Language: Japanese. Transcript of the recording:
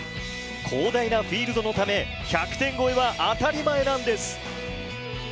広大なフィールドのため、１００点超えは当たり前なんです。